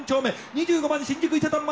２５番新宿伊勢丹前。